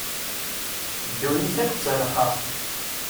Ddunit akk d talexxaxt.